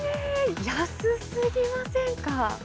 安すぎませんか。